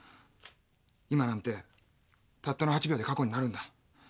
今なんてたったの８秒で過去になるんだ。